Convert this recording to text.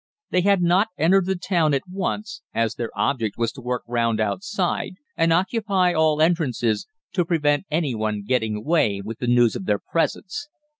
They had not entered the town at once, as their object was to work round outside and occupy all entrances, to prevent anyone getting away with the news of their presence.